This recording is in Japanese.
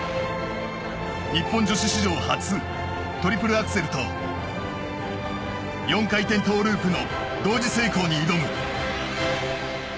日本女子史上初トリプルアクセルと４回転トゥループの同時成功に挑む。